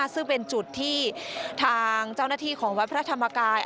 ซึ่งเป็นจุดที่ทางเจ้าหน้าที่ของวัดพระธรรมกาย